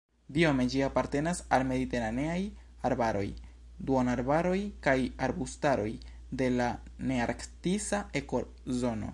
Biome ĝi apartenas al mediteraneaj arbaroj, duonarbaroj kaj arbustaroj de la nearktisa ekozono.